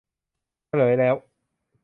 เฉลยแล้ว